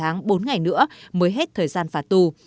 bốn ngày nữa mới hết thời gian phạt tù